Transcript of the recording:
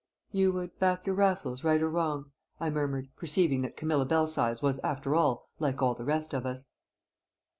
"You would back your Raffles right or wrong?" I murmured, perceiving that Camilla Belsize was, after all, like all the rest of us.